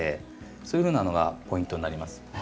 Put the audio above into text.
そういうふうなのがポイントになります。